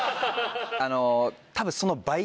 あの多分。